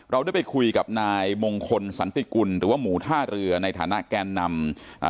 เราได้ไปคุยกับนายมงคลสันติกุลหรือว่าหมูท่าเรือในฐานะแกนนำอ่า